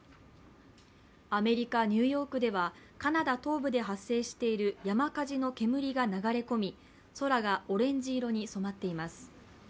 アメリカ・ニューヨークではカナダ東部で発生している山火事の煙が流れ込み、空がオレンジ色に染まっています。